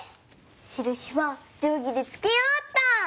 しるしはじょうぎでつけようっと。